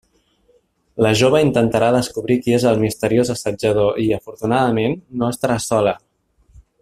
La jove intentarà descobrir qui és el misteriós assetjador i, afortunadament, no estarà sola.